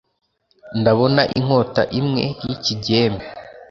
ndabona inkota imwe y’ikigembe